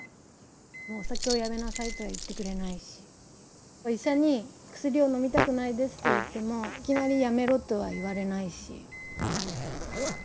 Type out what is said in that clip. お酒をやめなさいとは言ってくれないし医者に薬を飲みたくないですと言ってもいきなりやめろとは言われないし。